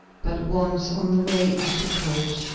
But once on my way I took courage.